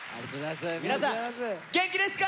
皆さん元気ですか？